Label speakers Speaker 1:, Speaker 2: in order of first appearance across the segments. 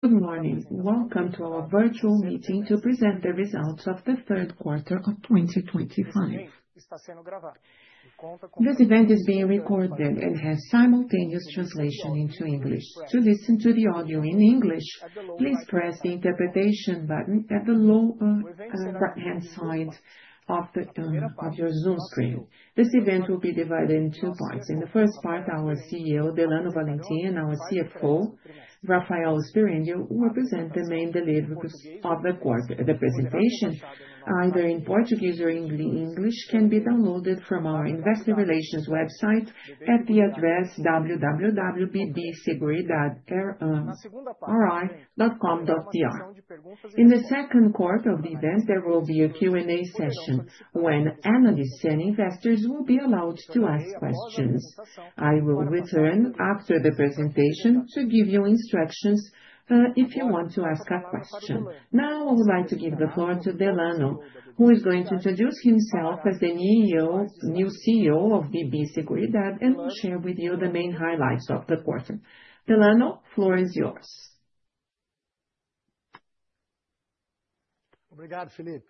Speaker 1: Good morning. Welcome to our virtual meeting to present the results of the third quarter of 2025. This event is being recorded and has simultaneous translation into English. To listen to the audio in English, please press the interpretation button at the lower right-hand side of your Zoom screen. This event will be divided into two parts. In the first part, our CEO, Delano Valentim, and our CFO, Rafael Sperendio, will present the main deliverables of the quarter. The presentation, either in Portuguese or English, can be downloaded from our investor relations website at the address www.bbseguridade.com.br. In the second part of the event, there will be a Q&A session when analysts and investors will be allowed to ask questions. I will return after the presentation to give you instructions if you want to ask a question. Now, I would like to give the floor to Delano, who is going to introduce himself as the new CEO of BB Seguridade and will share with you the main highlights of the quarter. Delano, the floor is yours.
Speaker 2: Obrigado, Felipe.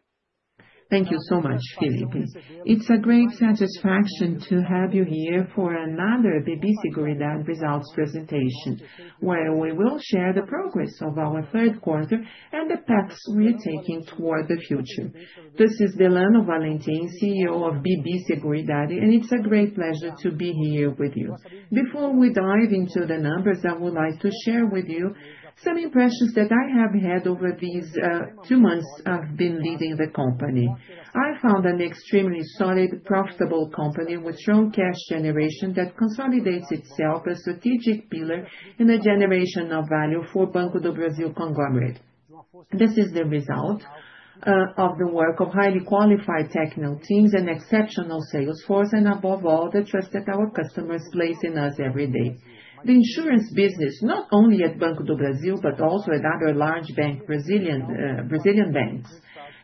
Speaker 3: Thank you so much, Felipe. It's a great satisfaction to have you here for another BB Seguridade Results presentation, where we will share the progress of our third quarter and the paths we are taking toward the future. This is Delano Valentim, CEO of BB Seguridade, and it's a great pleasure to be here with you. Before we dive into the numbers, I would like to share with you some impressions that I have had over these two months I've been leading the company. I found an extremely solid, profitable company with strong cash generation that consolidates itself as a strategic pillar in the generation of value for Banco do Brasil conglomerate. This is the result of the work of highly qualified technical teams and exceptional sales force, and above all, the trust that our customers place in us every day. The insurance business, not only at Banco do Brasil but also at other large Brazilian banks,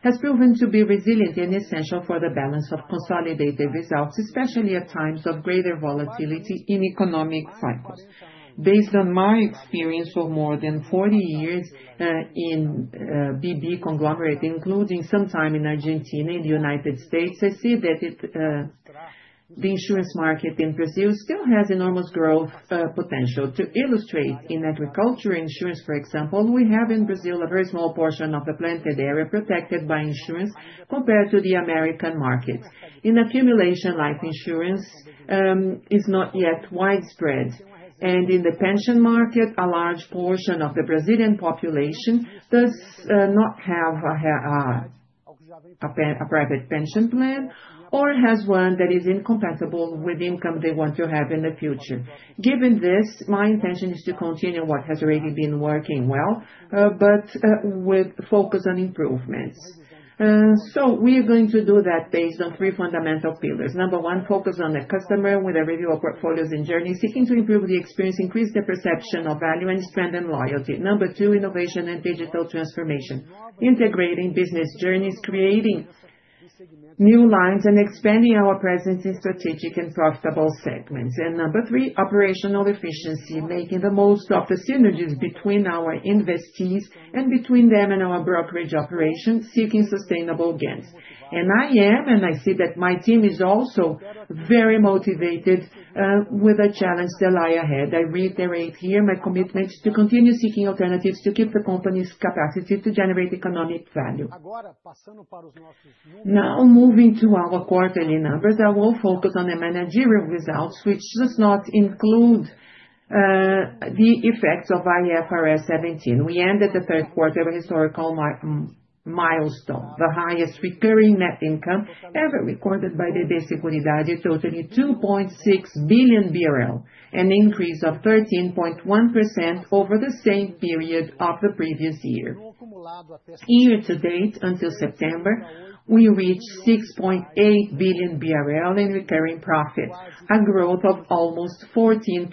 Speaker 3: has proven to be resilient and essential for the balance of consolidated results, especially at times of greater volatility in economic cycles. Based on my experience of more than 40 years in BB Conglomerate, including some time in Argentina and the United States, I see that the insurance market in Brazil still has enormous growth potential. To illustrate, in agriculture insurance, for example, we have in Brazil a very small portion of the planted area protected by insurance compared to the American market. In addition, life insurance is not yet widespread, and in the pension market, a large portion of the Brazilian population does not have a private pension plan or has one that is incompatible with the income they want to have in the future. Given this, my intention is to continue what has already been working well, but with a focus on improvements. So we are going to do that based on three fundamental pillars. Number one, focus on the customer with a review of portfolios and journey, seeking to improve the experience, increase the perception of value, and strengthen loyalty. Number two, innovation and digital transformation, integrating business journeys, creating new lines, and expanding our presence in strategic and profitable segments. And number three, operational efficiency, making the most of the synergies between our investees and between them and our brokerage operations, seeking sustainable gains. And I am, and I see that my team is also very motivated with the challenges that lie ahead. I reiterate here my commitment to continue seeking alternatives to keep the company's capacity to generate economic value. Now, moving to our quarterly numbers, I will focus on the managerial results, which do not include the effects of IFRS 17. We ended the third quarter with a historical milestone, the highest recurring net income ever recorded by BB Seguridade, totaling 2.6 billion BRL, an increase of 13.1% over the same period of the previous year. Year to date, until September, we reached 6.8 billion BRL in recurring profit, a growth of almost 14%.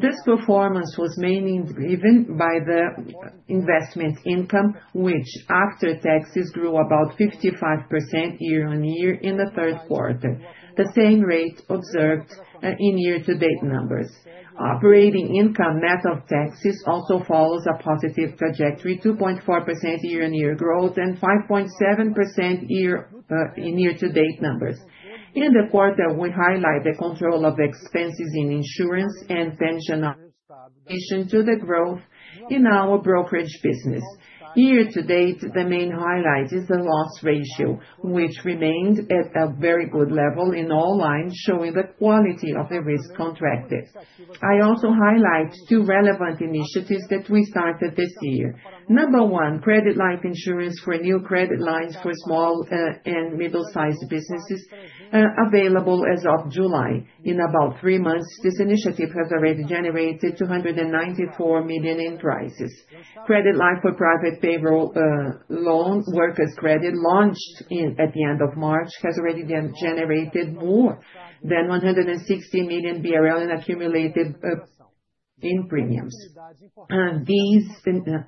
Speaker 3: This performance was mainly driven by the investment income, which, after taxes, grew about 55% year on year in the third quarter, the same rate observed in year-to-date numbers. Operating income, net of taxes, also follows a positive trajectory, 2.4% year-on-year growth, and 5.7% year-to-date numbers. In the quarter, we highlight the control of expenses in insurance and pension in addition to the growth in our brokerage business. Year to date, the main highlight is the loss ratio, which remained at a very good level in all lines, showing the quality of the risk contracted. I also highlight two relevant initiatives that we started this year. Number one, credit line insurance for new credit lines for small and medium-sized businesses available as of July. In about three months, this initiative has already generated 294 million in premiums. Credit line for private payroll loan, workers' credit, launched at the end of March, has already generated more than 160 million BRL in accumulated premiums. These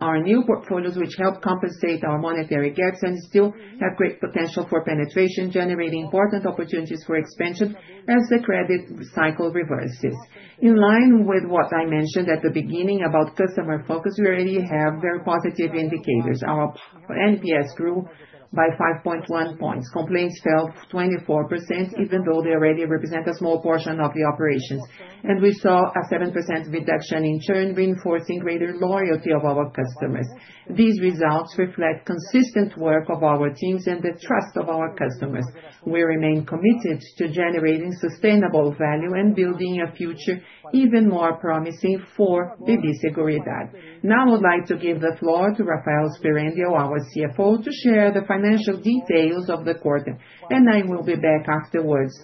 Speaker 3: are new portfolios which help compensate our monetary gaps and still have great potential for penetration, generating important opportunities for expansion as the credit cycle reverses. In line with what I mentioned at the beginning about customer focus, we already have very positive indicators. Our NPS grew by 5.1 points. Complaints fell 24%, even though they already represent a small portion of the operations, and we saw a 7% reduction in churn, reinforcing greater loyalty of our customers. These results reflect consistent work of our teams and the trust of our customers. We remain committed to generating sustainable value and building a future even more promising for BB Seguridade. Now, I would like to give the floor to Rafael Sperendio, our CFO, to share the financial details of the quarter, and I will be back afterwards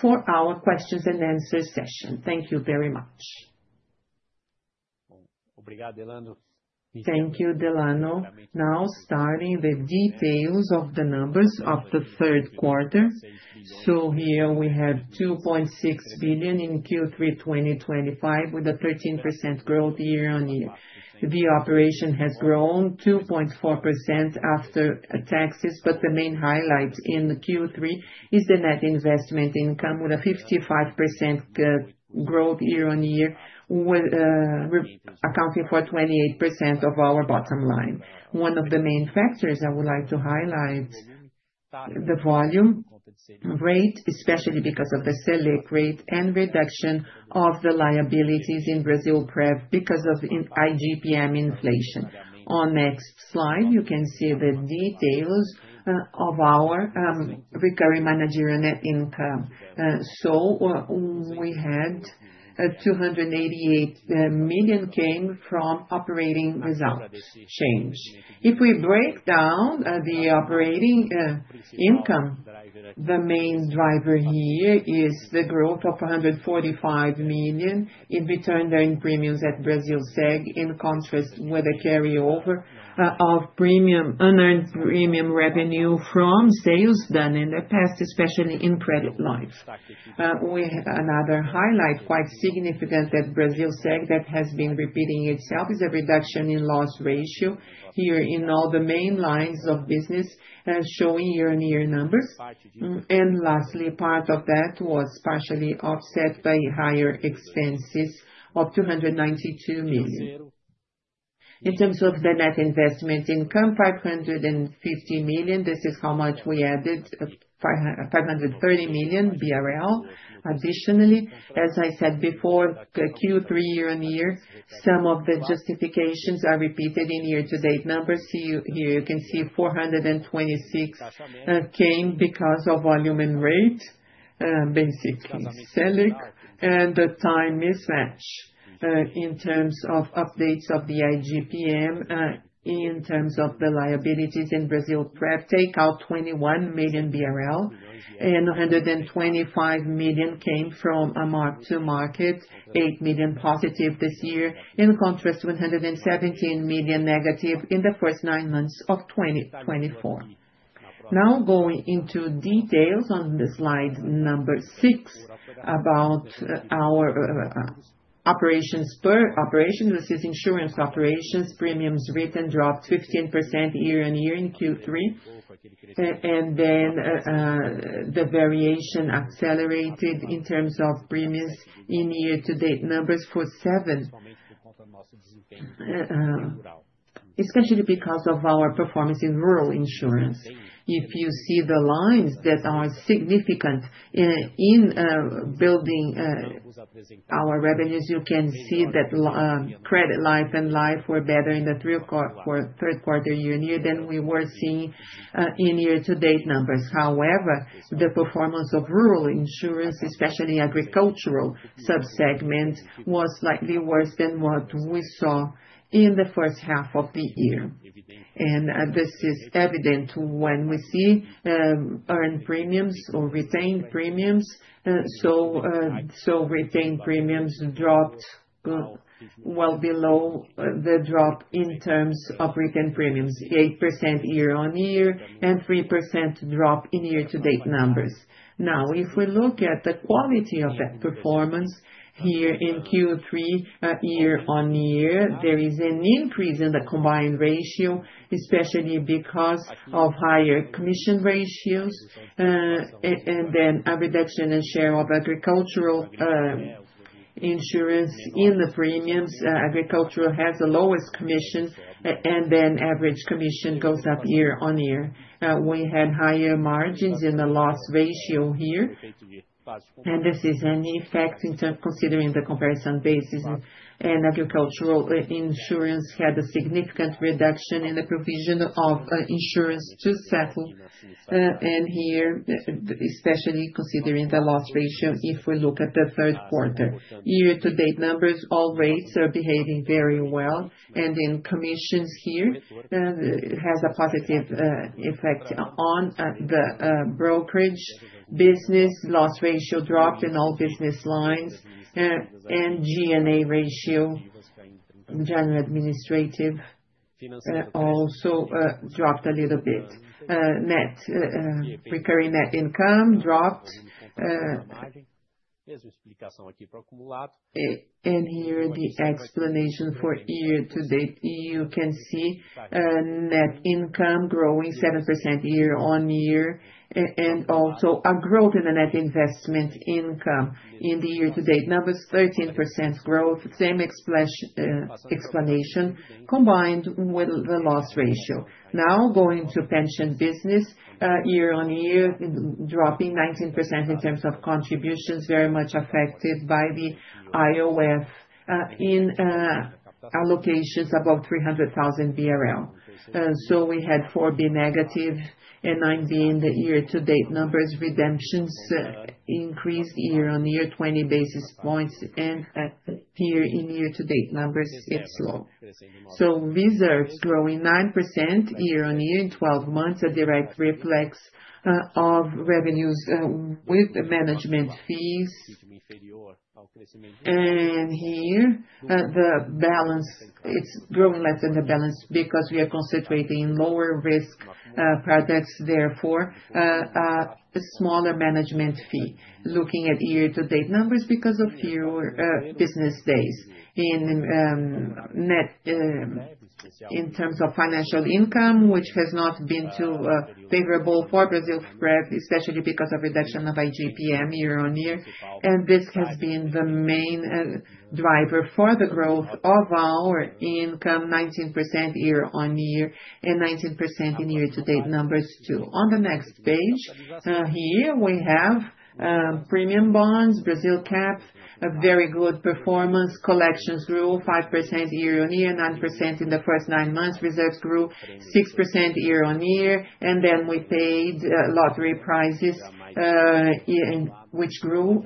Speaker 3: for our questions and answers session. Thank you very much.
Speaker 4: Obrigado, Delano.
Speaker 3: Thank you, Delano. Now, starting with details of the numbers of the third quarter. So here we have 2.6 billion in Q3 2025, with a 13% growth year on year. The operation has grown 2.4% after taxes, but the main highlight in Q3 is the net investment income, with a 55% growth year on year, accounting for 28% of our bottom line. One of the main factors I would like to highlight is the volume rate, especially because of the Selic rate and reduction of the liabilities in Brasilprev because of IGP-M inflation. On the next slide, you can see the details of our recurring managerial net income. So we had 288 million came from operating results change. If we break down the operating income, the main driver here is the growth of 145 million in written earned premiums at Brasilseg, in contrast with the carryover of earned premium revenue from sales done in the past, especially in credit lines. Another highlight, quite significant at Brasilseg that has been repeating itself, is a reduction in loss ratio here in all the main lines of business, showing year-on-year numbers. And lastly, part of that was partially offset by higher expenses of 292 million. In terms of the net investment income, 550 million, this is how much we added, 530 million BRL. Additionally, as I said before, Q3 year on year, some of the justifications are repeated in year-to-date numbers. Here you can see 426 million came because of volume and rate, basically Selic. And the time mismatch in terms of updates of the IGP-M, in terms of the liabilities in Brasilprev, take out 21 million BRL, and 125 million came from a mark-to-market, 8 million positive this year, in contrast to 117 million negative in the first nine months of 2024. Now, going into details on the slide number six about our operations, this is insurance operations, premiums written dropped 15% year on year in Q3, and then the variation accelerated in terms of premiums in year-to-date numbers for seven. It's contributed because of our performance in rural insurance. If you see the lines that are significant in building our revenues, you can see that credit life and life were better in the third quarter year-on-year than we were seeing in year-to-date numbers. However, the performance of rural insurance, especially agricultural subsegment, was slightly worse than what we saw in the first half of the year. And this is evident when we see earned premiums or retained premiums. So retained premiums dropped well below the drop in terms of retained premiums, 28% year on year and 3% drop in year-to-date numbers. Now, if we look at the quality of that performance here in Q3 year on year, there is an increase in the combined ratio, especially because of higher commission ratios, and then a reduction in share of agricultural insurance in the premiums. Agricultural has the lowest commission, and then average commission goes up year on year. We had higher margins in the loss ratio here, and this is an effect in terms of considering the comparison basis. Agricultural insurance had a significant reduction in the provision of insurance to settle, and here, especially considering the loss ratio if we look at the third quarter. Year-to-date numbers, all rates are behaving very well, and then commissions here has a positive effect on the brokerage business. Loss ratio dropped in all business lines, and G&A ratio, general administrative also dropped a little bit. Recurring net income dropped, and here the explanation for year-to-date, you can see net income growing 7% year on year, and also a growth in the net investment income in the year-to-date numbers, 13% growth, same explanation combined with the loss ratio. Now, going to pension business, year on year, dropping 19% in terms of contributions, very much affected by the IOF in allocations above 300,000 BRL. So we had 4 billion negative and 9 billion in the year-to-date numbers. Redemptions increased year on year 20 basis points, and here in year-to-date numbers, it's low. So reserves growing 9% year on year in 12 months, a direct reflex of revenues with management fees. And here, the balance, it's growing less than the balance because we are concentrating in lower risk products, therefore a smaller management fee. Looking at year-to-date numbers because of fewer business days in terms of financial income, which has not been too favorable for Brasilprev, especially because of reduction of IGP-M year on year. And this has been the main driver for the growth of our income, 19% year on year and 19% in year-to-date numbers too. On the next page, here we have premium bonds, Brasilcap, a very good performance. Collections grew 5% year on year, 9% in the first nine months. Reserves grew 6% year on year, and then we paid lottery prizes, which grew 42%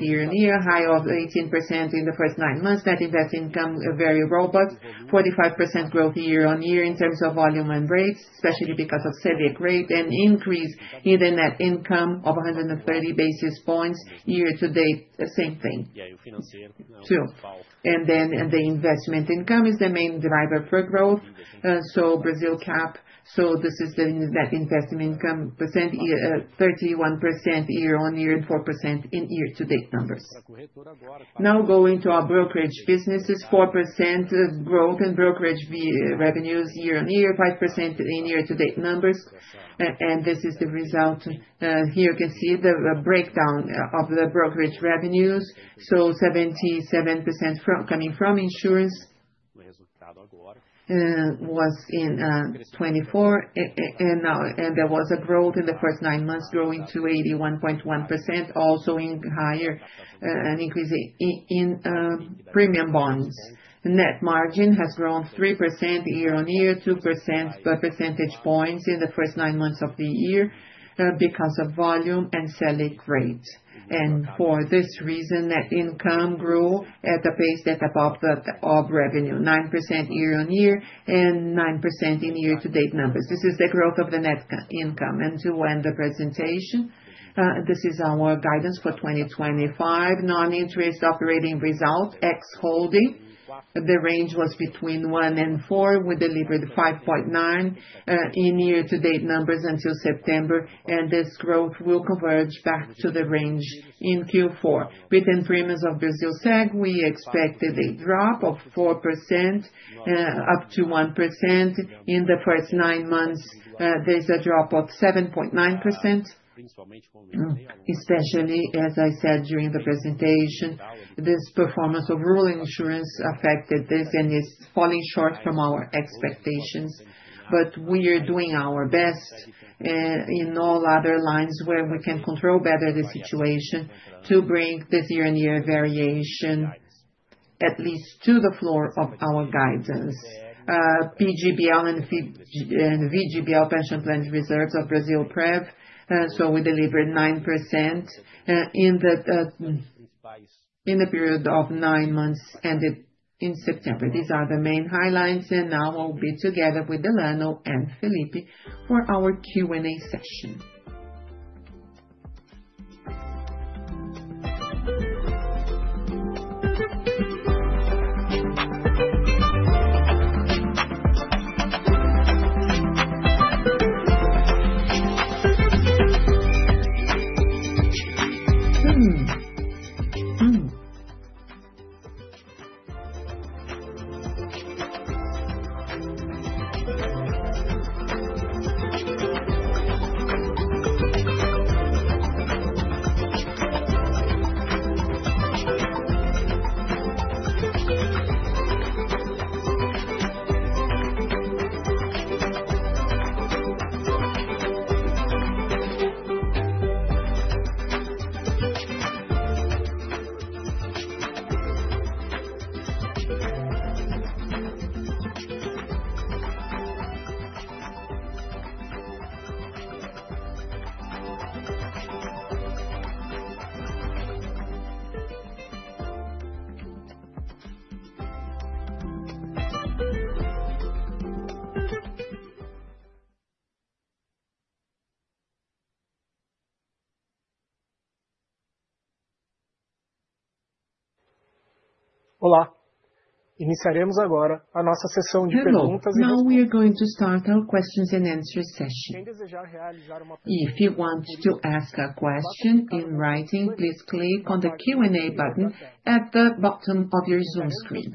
Speaker 3: year on year, high of 18% in the first nine months. Net investment income, very robust, 45% growth year on year in terms of volume and rates, especially because of Selic rate and increase in the Selic rate of 130 basis points year-to-date, same thing too. The investment income is the main driver for growth. So, Brasilcap, so this is the net investment income percent, 31% year on year and 4% in year-to-date numbers. Now going to our brokerage businesses, 4% growth in brokerage revenues year on year, 5% in year-to-date numbers. This is the result. Here you can see the breakdown of the brokerage revenues. 77% coming from insurance was in 24, and there was a growth in the first nine months growing to 81.1%, also in higher an increase in premium bonds. Net margin has grown 3% year on year, 2 percentage points in the first nine months of the year because of volume and Selic rate. For this reason, net income grew at a pace that above that of revenue, 9% year on year and 9% in year-to-date numbers. This is the growth of the net income. To end the presentation, this is our guidance for 2025. Non-interest operating result, ex-holding, the range was between 1% and 4%. We delivered 5.9% in year-to-date numbers until September, and this growth will converge back to the range in Q4. Written premiums of Brasilseg, we expected a drop of 4% up to 1% in the first nine months. There's a drop of 7.9%, especially, as I said during the presentation, this performance of rural insurance affected this and is falling short from our expectations. But we are doing our best in all other lines where we can control better the situation to bring this year-on-year variation at least to the floor of our guidance. PGBL and VGBL pension plan reserves of Brasilprev, so we delivered 9% in the period of nine months ended in September.
Speaker 1: These are the main highlights, and now I'll be together with Delano and Felipe for our Q&A session. Olá, iniciaremos agora a nossa sessão de perguntas e respostas. Now we are going to start our questions and answers session. Quem desejar realizar uma pergunta, if you want to ask a question in writing, please click on the Q&A button at the bottom of your Zoom screen.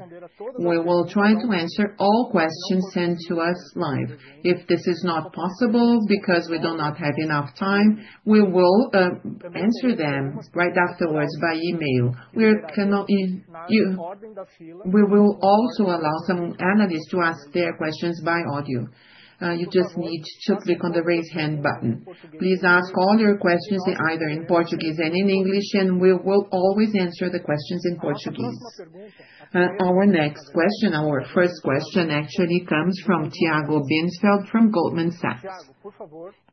Speaker 1: We will try to answer all questions sent to us live. If this is not possible because we do not have enough time, we will answer them right afterwards by email. We will also allow some analysts to ask their questions by audio. You just need to click on the raise hand button. Please ask all your questions either in Portuguese or in English, and we will always answer the questions in Portuguese. Our next question, our first question, actually comes from Tiago Binsfeld from Goldman Sachs.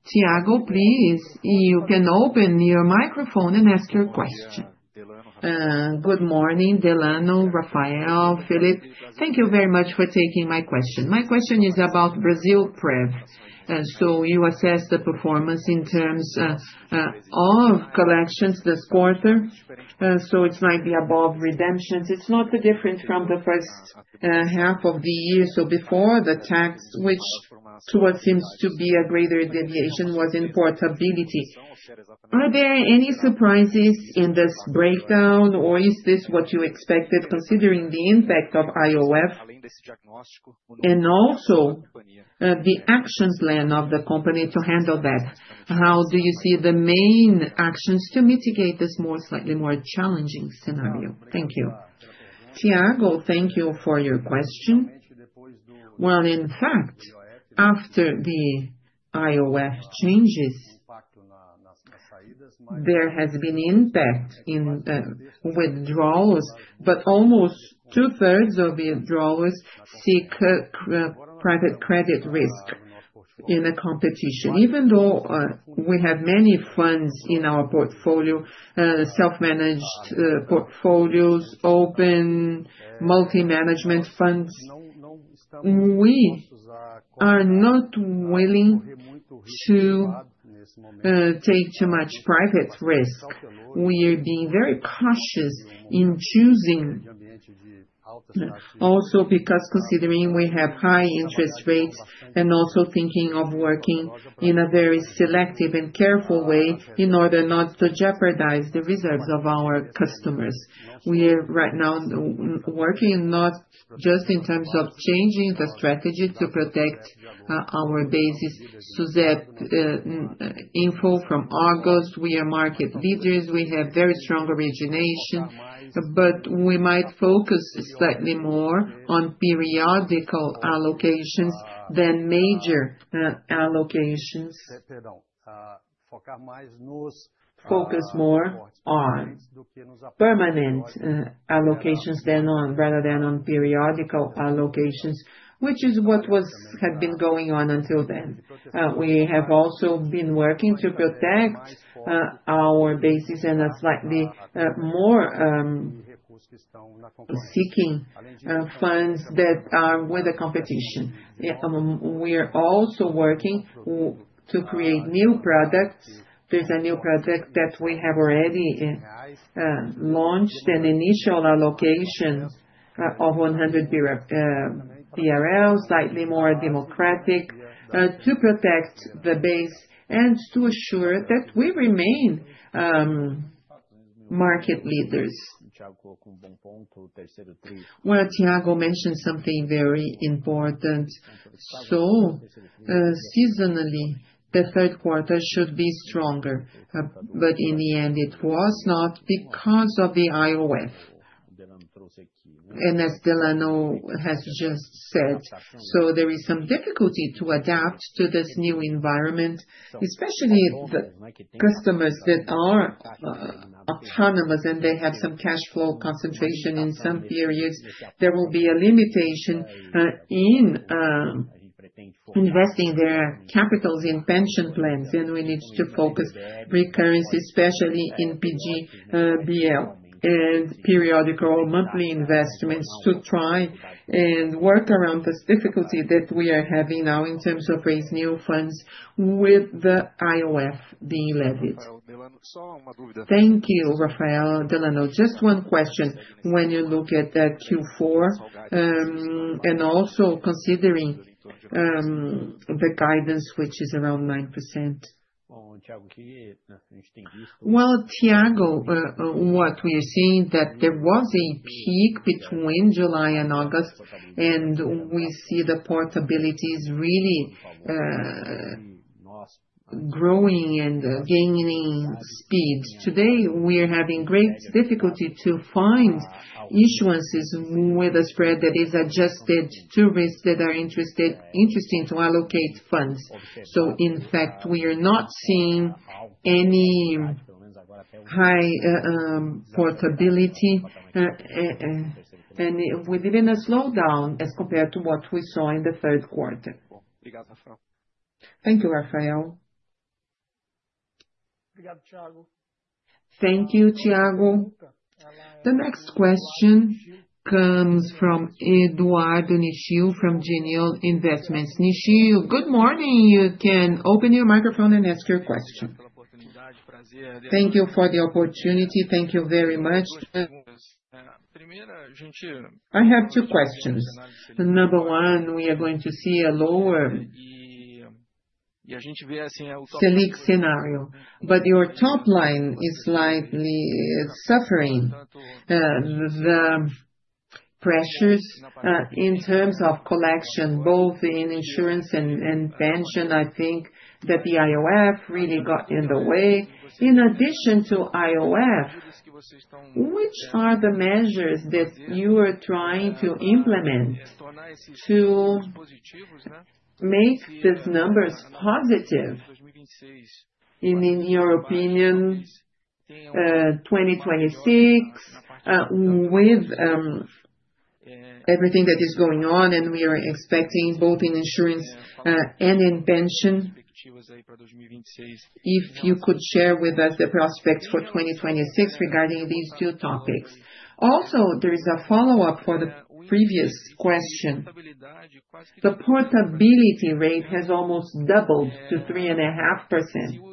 Speaker 1: Tiago, please, you can open your microphone and ask your question.
Speaker 5: Good morning, Delano, Rafael, Felipe. Thank you very much for taking my question. My question is about Brasilprev. So you assess the performance in terms of collections this quarter. So it's slightly above redemptions. It's not the difference from the first half of the year. Before the tax, which seems to be a greater deviation, was in portability. Are there any surprises in this breakdown, or is this what you expected considering the impact of IOF and also the action plan of the company to handle that? How do you see the main actions to mitigate this slightly more challenging scenario? Thank you.
Speaker 2: Tiago, thank you for your question. In fact, after the IOF changes, there has been impact in withdrawals, but almost two-thirds of withdrawals seek private credit risk in a competition. Even though we have many funds in our portfolio, self-managed portfolios, open multi-management funds, we are not willing to take too much private risk. We are being very cautious in choosing also because considering we have high interest rates and also thinking of working in a very selective and careful way in order not to jeopardize the reserves of our customers. We are right now working not just in terms of changing the strategy to protect our basis. So that info from August, we are market leaders. We have very strong origination, but we might focus slightly more on periodical allocations than major allocations. Focus more on permanent allocations rather than on periodical allocations, which is what had been going on until then. We have also been working to protect our basis and a slightly more seeking funds that are with the competition. We are also working to create new products.
Speaker 4: There's a new product that we have already launched, an initial allocation of 100 BRL, slightly more democratic to protect the base and to assure that we remain market leaders. Well, Tiago mentioned something very important. So seasonally, the third quarter should be stronger, but in the end, it was not because of the IOF, and as Delano has just said. So there is some difficulty to adapt to this new environment, especially the customers that are autonomous, and they have some cash flow concentration in some periods. There will be a limitation in investing their capitals in pension plans, and we need to focus recurrency, especially in PGBL and periodical or monthly investments to try and work around this difficulty that we are having now in terms of raising new funds with the IOF being levered. Thank you, Rafael. Delano, just one question. When you look at Q4 and also considering the guidance, which is around 9%, well, Tiago, what we are seeing is that there was a peak between July and August, and we see the portability is really growing and gaining speed. Today, we are having great difficulty to find issuances with a spread that is adjusted to risks that are interesting to allocate funds. So in fact, we are not seeing any high portability, and we're living a slowdown as compared to what we saw in the third quarter. Thank you, Rafael.
Speaker 1: Thank you, Tiago. The next question comes from Eduardo Nishio from Genial Investimentos. Nishio, good morning. You can open your microphone and ask your question.
Speaker 6: Thank you for the opportunity. Thank you very much. I have two questions. Number one, we are going to see a lower Selic scenario, but your top line is slightly suffering. The pressures in terms of collection, both in insurance and pension, I think that the IOF really got in the way. In addition to IOF, which are the measures that you are trying to implement to make these numbers positive in your opinion 2026 with everything that is going on? We are expecting both in insurance and in pension. If you could share with us the prospects for 2026 regarding these two topics. Also, there is a follow-up for the previous question. The portability rate has almost doubled to 3.5%.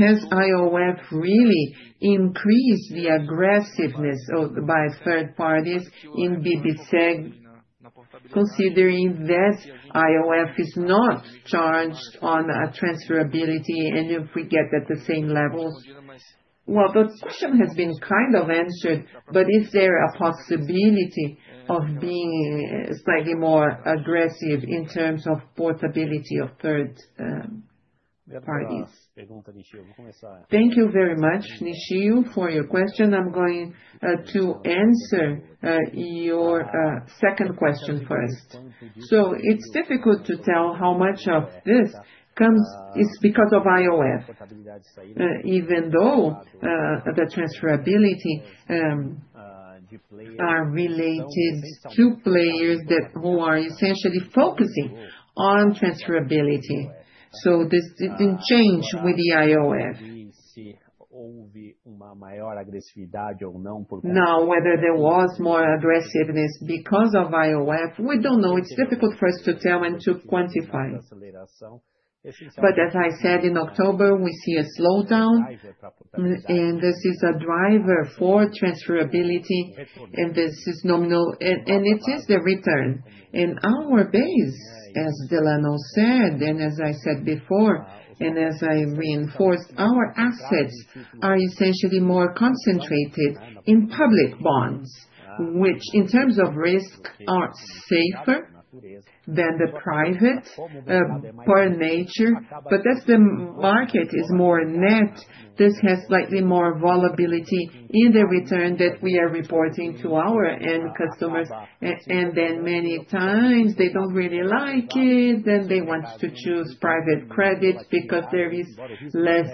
Speaker 6: Has IOF really increased the aggressiveness by third parties in BB Seguridade, considering that IOF is not charged on transferability and if we get at the same levels? The question has been kind of answered, but is there a possibility of being slightly more aggressive in terms of portability of third parties?
Speaker 4: Thank you very much, Nishio, for your question. I'm going to answer your second question first. So it's difficult to tell how much of this comes is because of IOF, even though the transferability is related to players who are essentially focusing on transferability. So this didn't change with the IOF. Now, whether there was more aggressiveness because of IOF, we don't know. It's difficult for us to tell and to quantify. But as I said, in October, we see a slowdown, and this is a driver for transferability, and this is nominal, and it is the return. And our base, as Delano said, and as I said before, and as I reinforced, our assets are essentially more concentrated in public bonds, which in terms of risk are safer than the private by nature. But as the market is more net, this has slightly more volatility in the return that we are reporting to our end customers. And then many times they don't really like it, then they want to choose private credit because there is less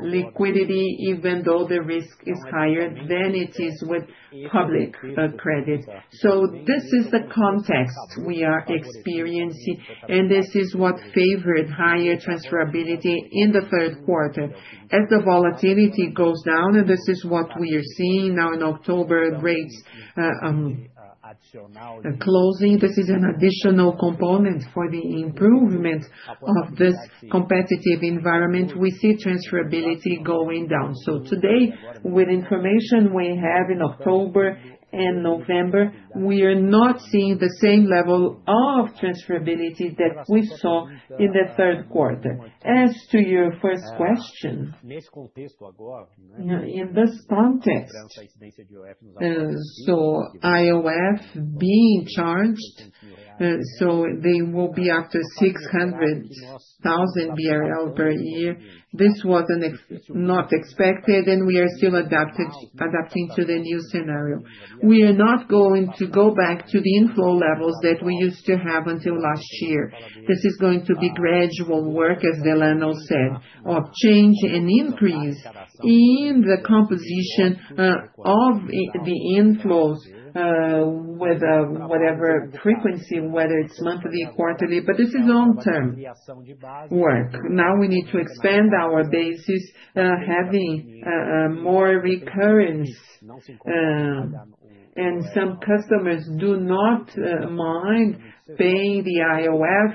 Speaker 4: liquidity, even though the risk is higher than it is with public credit. So this is the context we are experiencing, and this is what favored higher transferability in the third quarter. As the volatility goes down, and this is what we are seeing now in October rates closing, this is an additional component for the improvement of this competitive environment. We see transferability going down. So today, with information we have in October and November, we are not seeing the same level of transferability that we saw in the third quarter. As to your first question, in this context, so IOF being charged, so they will be after 600,000 BRL per year. This was not expected, and we are still adapting to the new scenario. We are not going to go back to the inflow levels that we used to have until last year. This is going to be gradual work, as Delano said, of change and increase in the composition of the inflows with whatever frequency, whether it's monthly, quarterly, but this is long-term work. Now we need to expand our bases, having more recurrence, and some customers do not mind paying the IOF,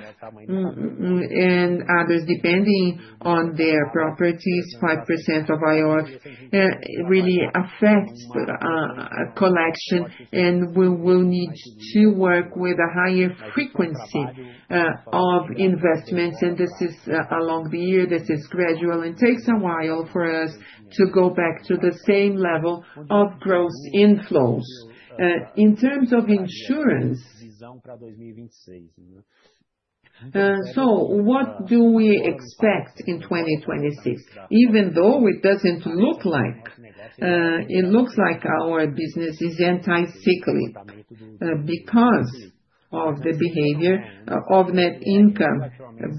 Speaker 4: and others, depending on their properties, 5% of IOF really affects collection, and we will need to work with a higher frequency of investments. And this is along the year. This is gradual, and it takes a while for us to go back to the same level of gross inflows. In terms of insurance, so what do we expect in 2026? Even though it doesn't look like, it looks like our business is anti-cyclical because of the behavior of net income,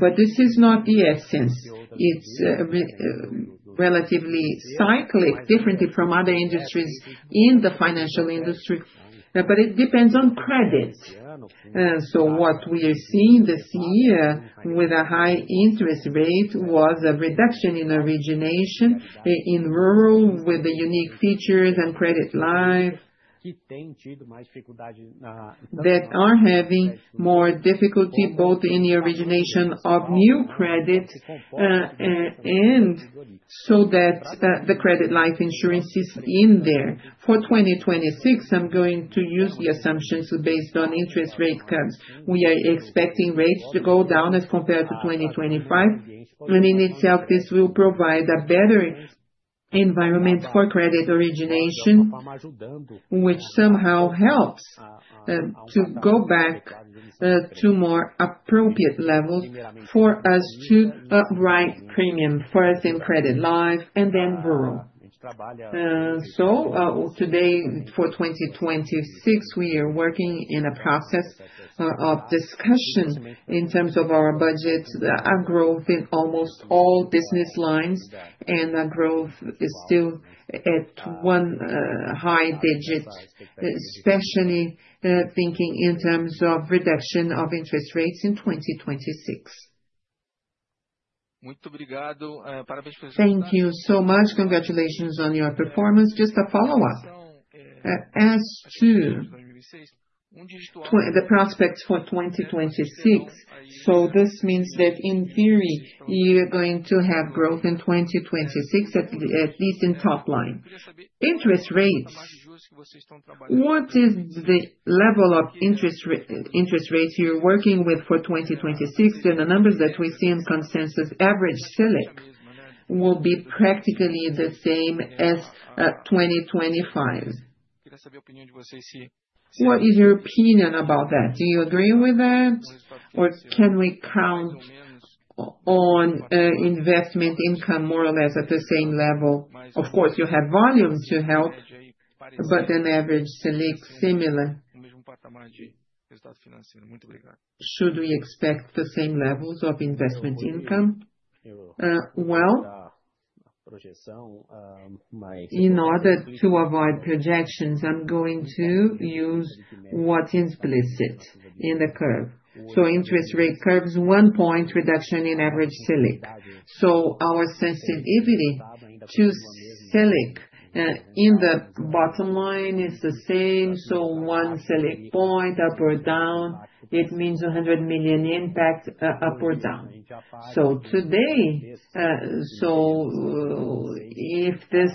Speaker 4: but this is not the essence. It's relatively cyclic, different from other industries in the financial industry, but it depends on credit. So what we are seeing this year with a high interest rate was a reduction in origination in rural with the unique features and credit life that are having more difficulty both in the origination of new credit and so that the credit life insurance is in there. For 2026, I'm going to use the assumptions based on interest rate cuts. We are expecting rates to go down as compared to 2025, and in itself, this will provide a better environment for credit origination, which somehow helps to go back to more appropriate levels for us to write premium first in credit life and then rural. Today, for 2026, we are working in a process of discussion in terms of our budget, a growth in almost all business lines, and the growth is still at one high digit, especially thinking in terms of reduction of interest rates in 2026.
Speaker 3: Thank you so much. Congratulations on your performance. Just a follow-up as to the prospects for 2026. This means that in theory, you're going to have growth in 2026, at least in top line. Interest rates, what is the level of interest rates you're working with for 2026? The numbers that we see in consensus average Selic will be practically the same as 2025. What is your opinion about that? Do you agree with that, or can we count on investment income more or less at the same level? Of course, you have volumes to help, but an average Selic similar, should we expect the same levels of investment income? In order to avoid projections, I'm going to use what's implicit in the curve. Interest rate curves, one point reduction in average Selic. Our sensitivity to Selic in the bottom line is the same. One Selic point up or down, it means 100 million impact up or down. Today, so if this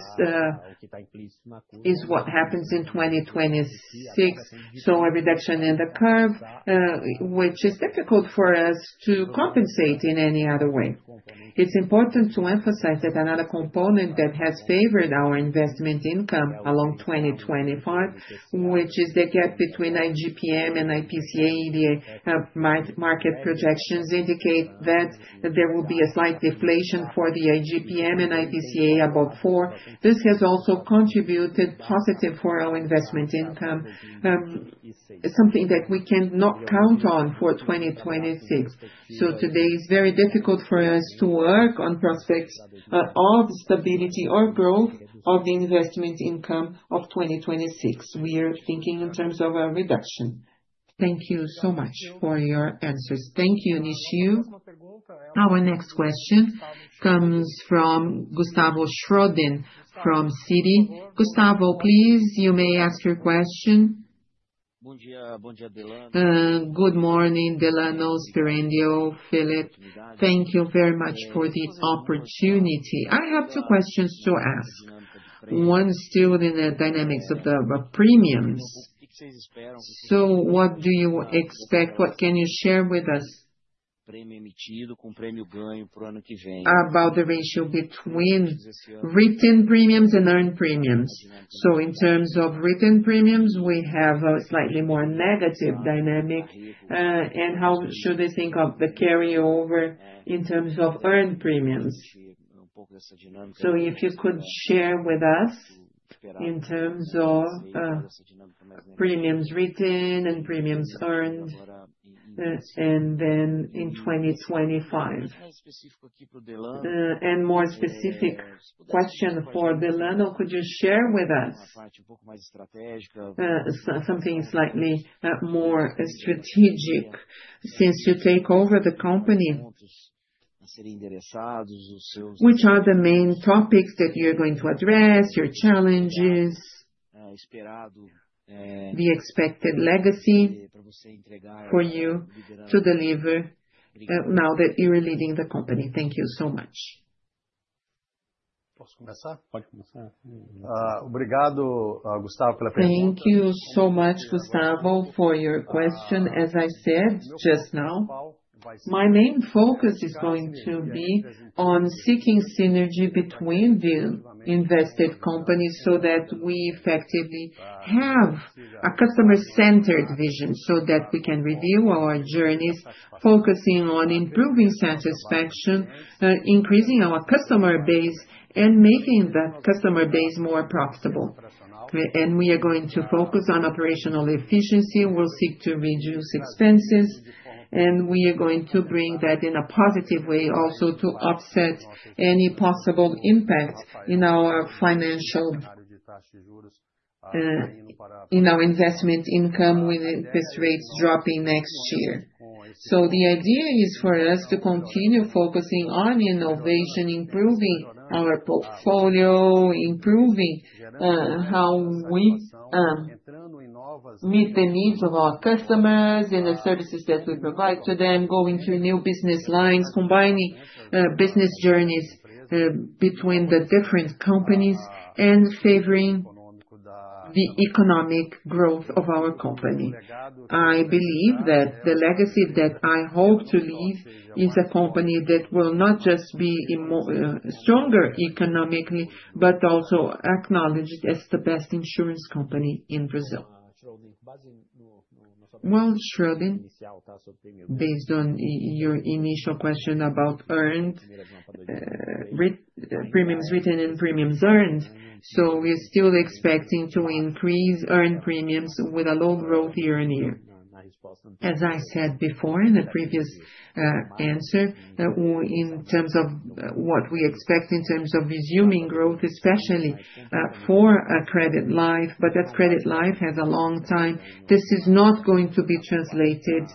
Speaker 3: is what happens in 2026, so a reduction in the curve, which is difficult for us to compensate in any other way. It's important to emphasize that another component that has favored our investment income along 2025, which is the gap between IGP-M and IPCA. The market projections indicate that there will be a slight deflation for the IGP-M and IPCA above four. This has also contributed positively for our investment income, something that we cannot count on for 2026. So today is very difficult for us to work on prospects of stability or growth of the investment income of 2026. We are thinking in terms of a reduction. Thank you so much for your answers. Thank you, Nishio.
Speaker 1: Our next question comes from Gustavo Schroden from Citi. Gustavo, please, you may ask your question.
Speaker 7: Good morning, Delano, Sperendio, Felipe. Thank you very much for the opportunity. I have two questions to ask. One is still in the dynamics of the premiums. So what do you expect? What can you share with us about the ratio between written premiums and earned premiums? So in terms of written premiums, we have a slightly more negative dynamic. And how should we think of the carryover in terms of earned premiums? So if you could share with us in terms of premiums written and premiums earned, and then in 2025, and more specific question for Delano, could you share with us something slightly more strategic since you take over the company, which are the main topics that you're going to address, your challenges, the expected legacy for you to deliver now that you're leading the company? Thank you so much.
Speaker 2: Obrigado, Gustavo, pela pergunta. Thank you so much, Gustavo, for your question. As I said just now, my main focus is going to be on seeking synergy between the invested companies so that we effectively have a customer-centered vision, so that we can review our journeys, focusing on improving satisfaction, increasing our customer base, and making that customer base more profitable. And we are going to focus on operational efficiency. We'll seek to reduce expenses, and we are going to bring that in a positive way also to offset any possible impact in our financial investment income with interest rates dropping next year. So the idea is for us to continue focusing on innovation, improving our portfolio, improving how we meet the needs of our customers and the services that we provide to them, going through new business lines, combining business journeys between the different companies, and favoring the economic growth of our company. I believe that the legacy that I hope to leave is a company that will not just be stronger economically, but also acknowledged as the best insurance company in Brazil. Well, Schroden, based on your initial question about earned premiums, written and premiums earned, so we are still expecting to increase earned premiums with a low growth year on year.
Speaker 4: As I said before in the previous answer, in terms of what we expect in terms of resuming growth, especially for credit life, but that credit life has a long time. This is not going to be translated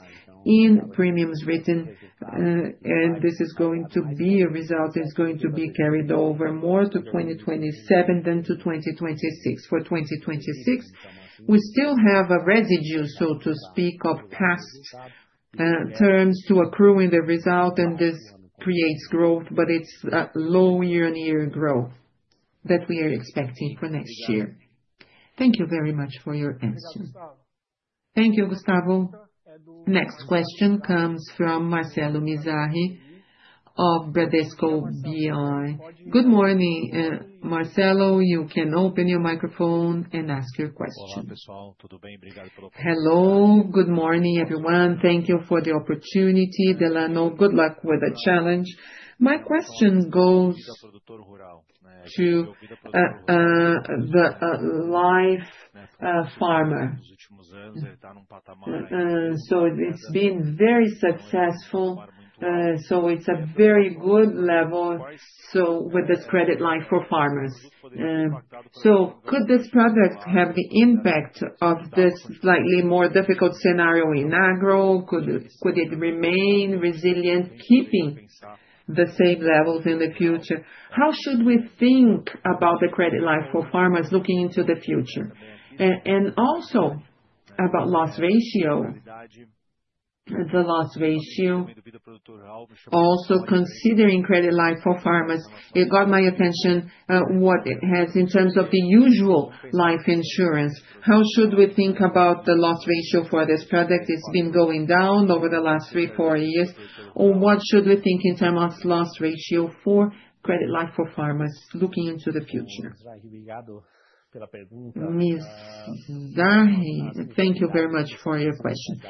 Speaker 4: in premiums written, and this is going to be a result. It's going to be carried over more to 2027 than to 2026. For 2026, we still have a residue, so to speak, of past terms to accrue in the result, and this creates growth, but it's low year-on-year growth that we are expecting for next year.
Speaker 3: Thank you very much for your answer. Thank you, Gustavo.
Speaker 1: Next question comes from Marcelo Mizrahi of Bradesco BBI. Good morning, Marcelo. You can open your microphone and ask your question.
Speaker 8: Hello, good morning, everyone. Thank you for the opportunity, Delano. Good luck with the challenge. My question goes to the rural farmer. So it's been very successful, so it's a very good level with this credit life for farmers. So could this project have the impact of this slightly more difficult scenario in agro? Could it remain resilient, keeping the same levels in the future? How should we think about the credit life for farmers looking into the future? And also about loss ratio, the loss ratio, also considering credit life for farmers. It got my attention what it has in terms of the usual life insurance. How should we think about the loss ratio for this project? It's been going down over the last three, four years. What should we think in terms of loss ratio for credit life for farmers looking into the future?
Speaker 4: Mr. Mizrahi, thank you very much for your question.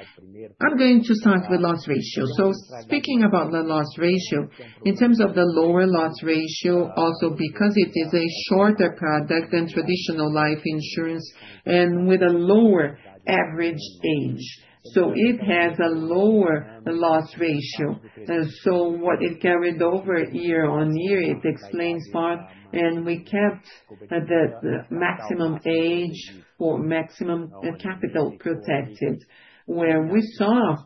Speaker 4: I'm going to start with loss ratio. So speaking about the loss ratio, in terms of the lower loss ratio, also because it is a shorter product than traditional life insurance and with a lower average age. So it has a lower loss ratio. So what it carried over year on year, it explains part, and we kept the maximum age for maximum capital protected, where we saw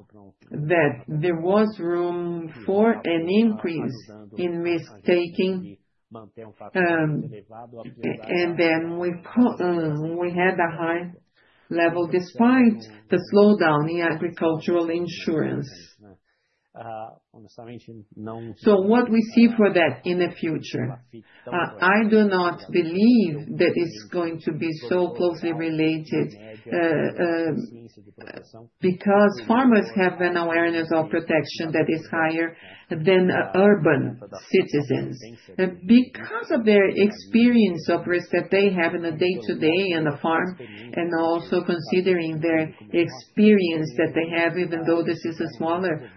Speaker 4: that there was room for an increase in risk-taking. And then we had a high level despite the slowdown in agricultural insurance. So what we see for that in the future, I do not believe that it's going to be so closely related because farmers have an awareness of protection that is higher than urban citizens because of their experience of risk that they have in the day-to-day on the farm and also considering their experience that they have, even though this is a smaller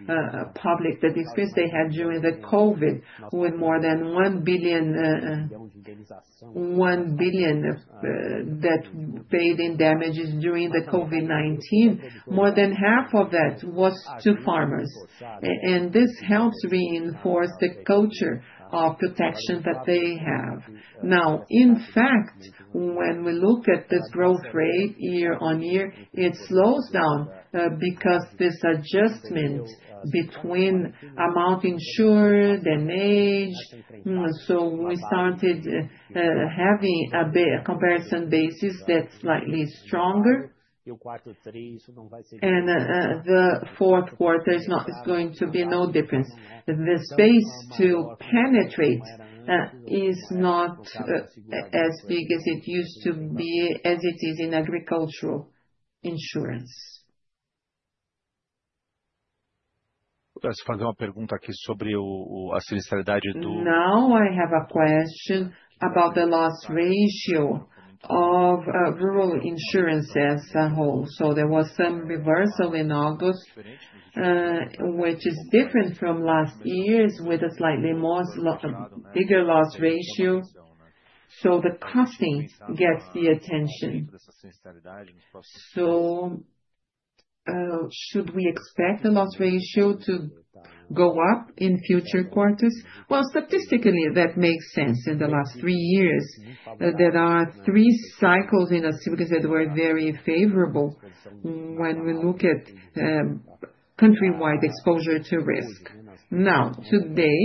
Speaker 4: public that experience they had during the COVID with more than 1 billion that paid in damages during the COVID-19. More than half of that was to farmers, and this helps reinforce the culture of protection that they have. Now, in fact, when we look at this growth rate year on year, it slows down because this adjustment between amount insured and age. So we started having a comparison basis that's slightly stronger, and the fourth quarter is going to be no difference.
Speaker 8: The space to penetrate is not as big as it used to be, as it is in agricultural insurance. Não, I have a question about the loss ratio of rural insurances as a whole. So there was some reversal in August, which is different from last years with a slightly bigger loss ratio. So the costing gets the attention. So should we expect the loss ratio to go up in future quarters? Well, statistically, that makes sense. In the last three years, there are three cycles in the El Niños that were very favorable when we look at countrywide exposure to risk. Now, today,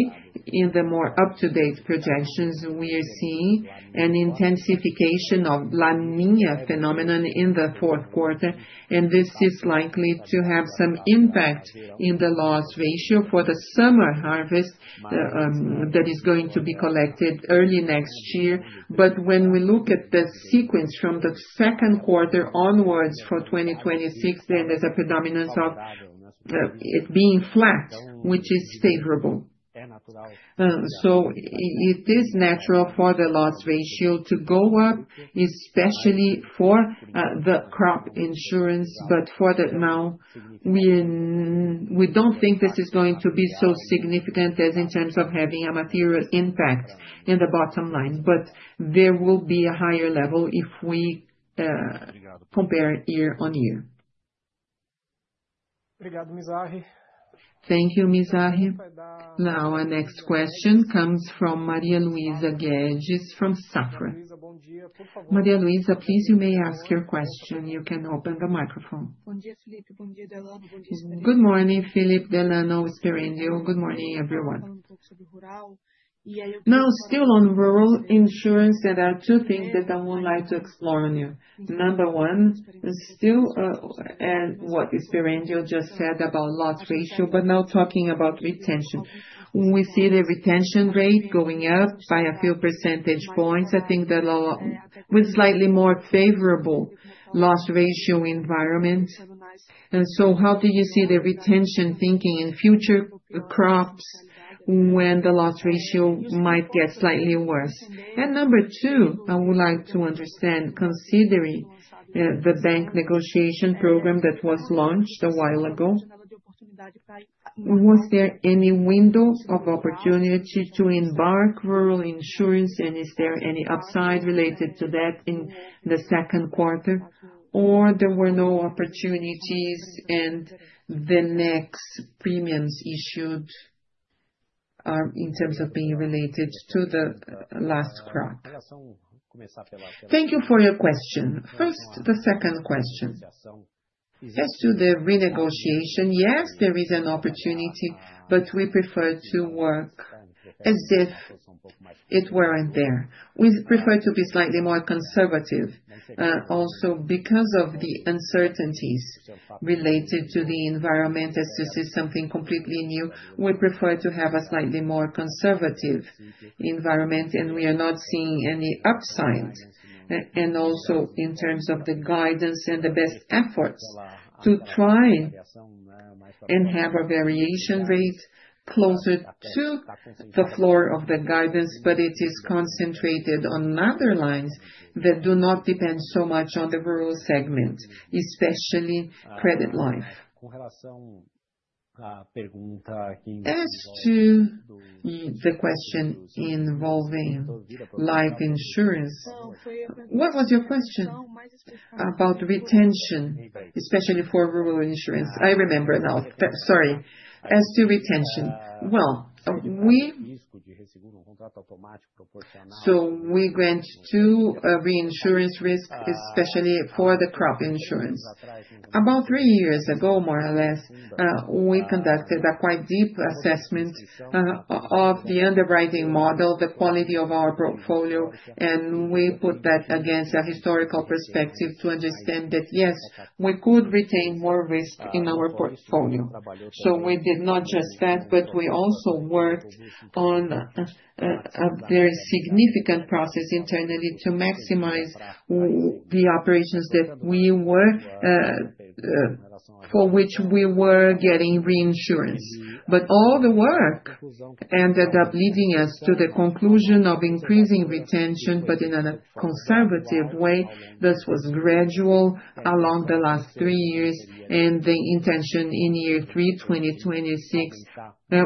Speaker 8: in the more up-to-date projections, we are seeing an intensification of La Niña phenomenon in the fourth quarter, and this is likely to have some impact in the loss ratio for the summer harvest that is going to be collected early next year. But when we look at the sequence from the second quarter onwards for 2026, then there's a predominance of it being flat, which is favorable. So it is natural for the loss ratio to go up, especially for the crop insurance. But for now, we don't think this is going to be so significant as in terms of having a material impact in the bottom line, but there will be a higher level if we compare year on year.
Speaker 1: Thank you, Mr. Masaharu. Now, our next question comes from Maria Luisa Guedes from Safra. Maria Luisa, please, you may ask your question. You can open the microphone.
Speaker 9: Good morning, Felipe, Delano, Sperendio. Good morning, everyone. Now, still on rural insurance, there are two things that I would like to explore on you. Number one, still what Sperendio just said about loss ratio, but now talking about retention. We see the retention rate going up by a few percentage points. I think that with slightly more favorable loss ratio environment. And so how do you see the retention thinking in future crops when the loss ratio might get slightly worse? Number two, I would like to understand, considering the bank negotiation program that was launched a while ago, was there any window of opportunity to embark rural insurance, and is there any upside related to that in the second quarter, or there were no opportunities and the next premiums issued in terms of being related to the last crop?
Speaker 3: Thank you for your question. First, the second question. As to the renegotiation, yes, there is an opportunity, but we prefer to work as if it weren't there. We prefer to be slightly more conservative also because of the uncertainties related to the environment. As to seeing something completely new, we prefer to have a slightly more conservative environment, and we are not seeing any upside.
Speaker 4: Also in terms of the guidance and the best efforts to try and have a variation rate closer to the floor of the guidance, but it is concentrated on other lines that do not depend so much on the rural segment, especially credit life. As to the question involving life insurance, what was your question about retention, especially for rural insurance? I remember now. Sorry. As to retention, well, we grant to reinsurance risk, especially for the crop insurance. About three years ago, more or less, we conducted a quite deep assessment of the underwriting model, the quality of our portfolio, and we put that against a historical perspective to understand that, yes, we could retain more risk in our portfolio. So we did not just that, but we also worked on a very significant process internally to maximize the operations that we were for which we were getting reinsurance. But all the work ended up leading us to the conclusion of increasing retention, but in a conservative way. This was gradual along the last three years, and the intention in year three, 2026,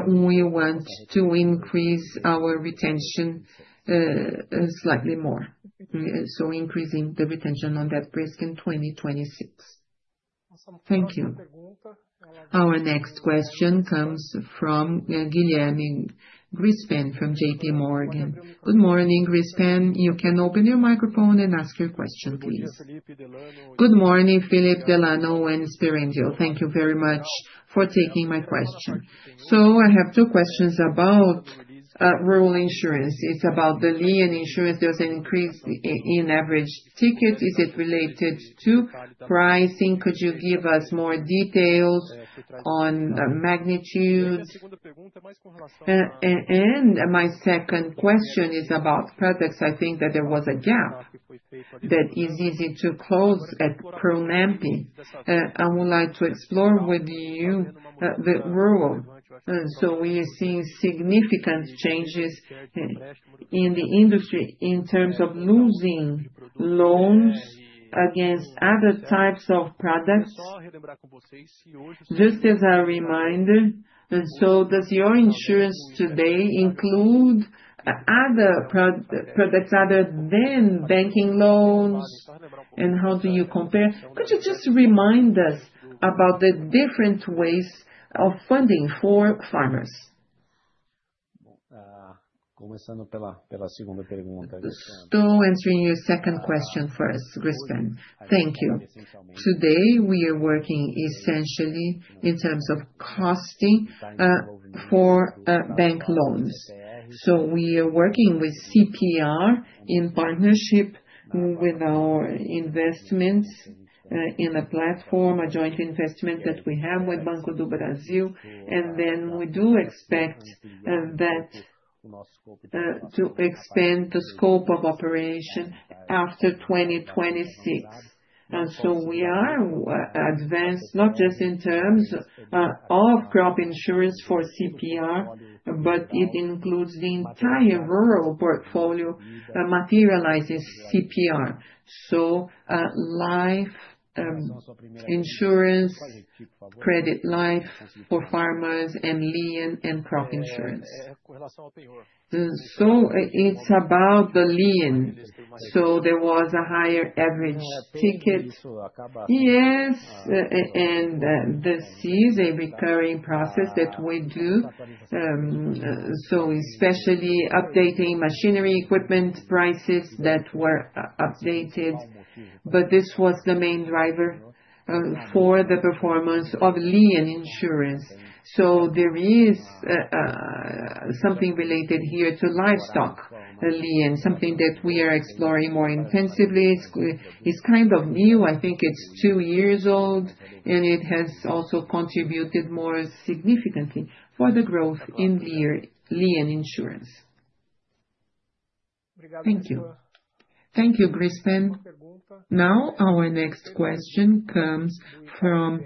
Speaker 4: we want to increase our retention slightly more. So increasing the retention on that risk in 2026.
Speaker 3: Thank you.
Speaker 1: Our next question comes from Guilherme Grespan from J.P. Morgan. Good morning, Grespan. You can open your microphone and ask your question, please.
Speaker 10: Good morning, Felipe, Delano, and Sperendio. Thank you very much for taking my question. So I have two questions about rural insurance. It's about the lien insurance. There's an increase in average ticket. Is it related to pricing? Could you give us more details on magnitudes? And my second question is about products. I think that there was a gap that is easy to close at Pronampe. I would like to explore with you the rural. We are seeing significant changes in the industry in terms of losing loans against other types of products. Just as a reminder, does your insurance today include other products other than banking loans? And how do you compare? Could you just remind us about the different ways of funding for farmers?
Speaker 4: Still answering your second question first, Grespan. Thank you. Today, we are working essentially in terms of issuing for bank loans. We are working with CPR in partnership with our investments in a platform, a joint investment that we have with Banco do Brasil. We do expect that to expand the scope of operation after 2026. We are advanced not just in terms of crop insurance for CPR, but it includes the entire rural portfolio materializing CPR. Life insurance, credit life for farmers, and lien and crop insurance. It's about the lien. There was a higher average ticket. Yes, and this is a recurring process that we do. Especially updating machinery equipment prices that were updated. This was the main driver for the performance of lien insurance. There is something related here to livestock lien, something that we are exploring more intensively. It's kind of new.I think it's two years old, and it has also contributed more significantly for the growth in lien insurance.
Speaker 3: Thank you. Thank you, Grespan.
Speaker 1: Now, our next question comes from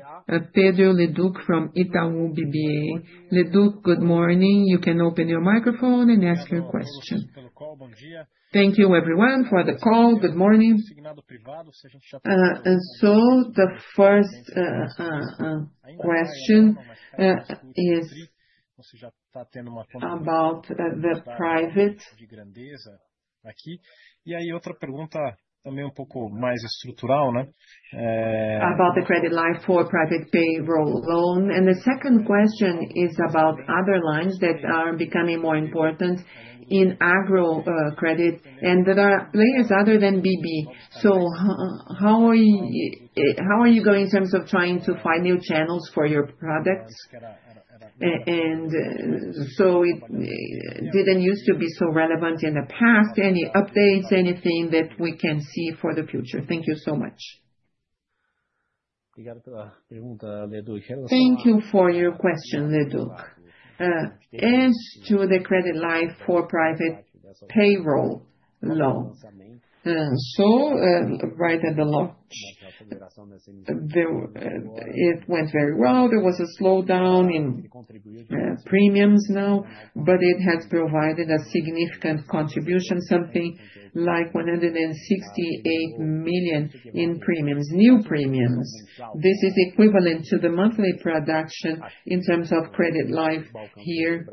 Speaker 1: Pedro Leduc from Itaú BBA. Leduc, good morning. You can open your microphone and ask your question.
Speaker 11: Thank you, everyone, for the call. Good morning. So the first question is about the private loan. About the credit life for private payroll loan. And the second question is about other lines that are becoming more important in agro credit and that are players other than BB. So how are you going in terms of trying to find new channels for your products? And so it didn't used to be so relevant in the past. Any updates, anything that we can see for the future? Thank you so much.
Speaker 4: Thank you for your question, Leduc. As to the credit line for private payroll loan, so right at the launch, it went very well. There was a slowdown in premiums now, but it has provided a significant contribution, something like 168 million in premiums, new premiums. This is equivalent to the monthly production in terms of credit life here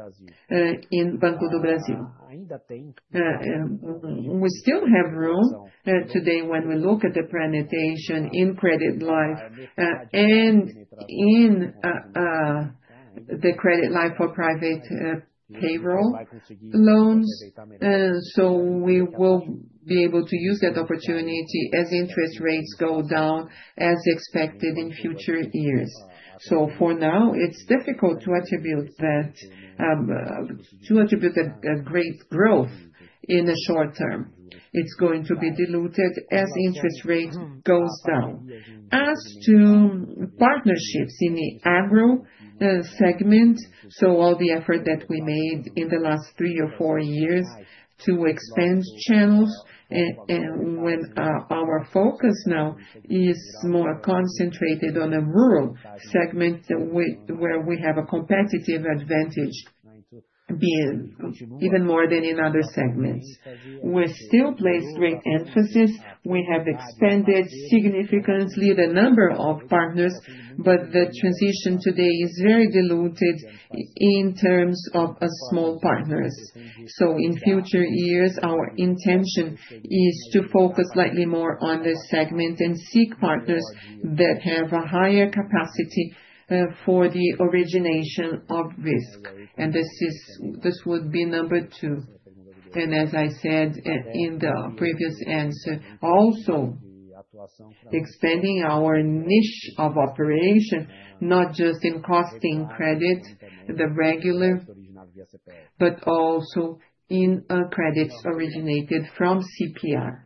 Speaker 4: in Banco do Brasil. We still have room today when we look at the penetration in credit life and in the credit line for private payroll loans. So we will be able to use that opportunity as interest rates go down as expected in future years. So for now, it's difficult to attribute that to a great growth in the short term. It's going to be diluted as interest rate goes down. As to partnerships in the agro segment. So all the effort that we made in the last three or four years to expand channels. When our focus now is more concentrated on a rural segment where we have a competitive advantage even more than in other segments. We still place great emphasis. We have expanded significantly the number of partners, but the distribution today is very diluted in terms of small partners. So in future years, our intention is to focus slightly more on this segment and seek partners that have a higher capacity for the origination of risk. And this would be number two. And as I said in the previous answer, also expanding our niche of operation, not just in consignado credit, the regular, but also in credits originated from CPR.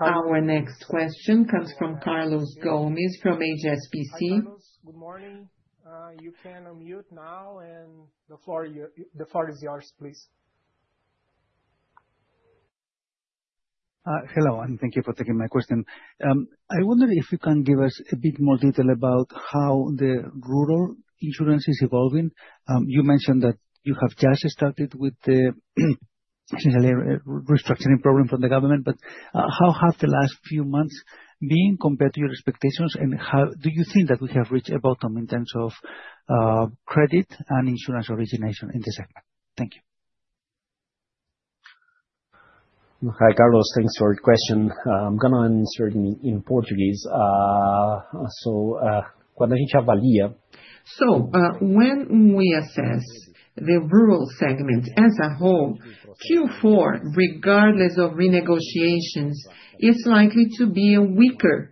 Speaker 1: Our next question comes from Carlos Gomez from HSBC. Good morning. You can unmute now, and the floor is yours, please.
Speaker 12: Hello, and thank you for taking my question. I wonder if you can give us a bit more detail about how the rural insurance is evolving. You mentioned that you have just started with the restructuring program from the government, but how have the last few months been compared to your expectations, and do you think that we have reached a bottom in terms of credit and insurance origination in the segment? Thank you.
Speaker 2: Hi, Carlos. Thanks for your question. I'm going to answer in Portuguese.
Speaker 3: So when we assess the rural segment as a whole, Q4, regardless of renegotiations, is likely to be a weaker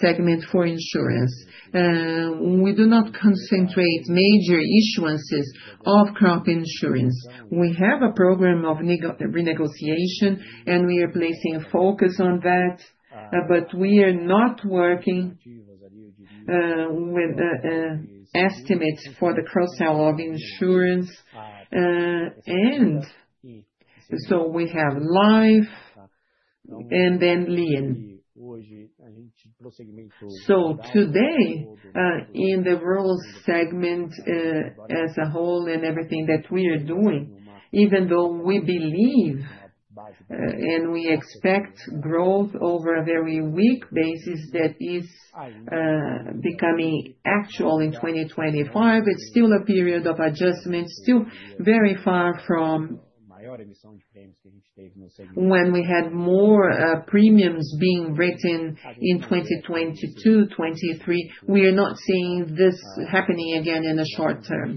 Speaker 3: segment for insurance. We do not concentrate major issuances of crop insurance. We have a program of renegotiation, and we are placing a focus on that, but we are not working with estimates for the cross-sell of insurance, and so we have life, and then lien, so today, in the rural segment as a whole and everything that we are doing, even though we believe and we expect growth over a very weak basis that is becoming actual in 2025, it's still a period of adjustment, still very far from when we had more premiums being written in 2022, 2023. We are not seeing this happening again in the short term,